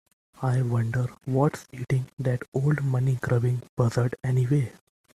I wonder what's eating that old money grubbing buzzard anyway?